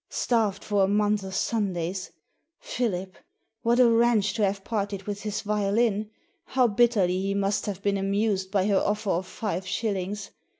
' Starved for a month of Sundays' — Philip! What a wrench to have parted with his violin — how bitterly he must have been amused by her offer of five shillings.